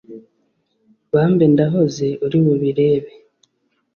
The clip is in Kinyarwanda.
Bambe ndahoze uri bubirebe"